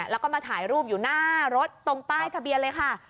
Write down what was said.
แล้วก็มาถ่ายรูปอยู่หน้ารถตรงป้ายทะเบียนเลยค่ะ